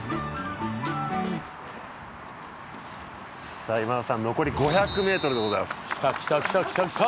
さあ今田さん残り５００ｍでございますきたきたきたきたきた